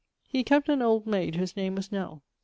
He kept an old mayd whose name was Nell.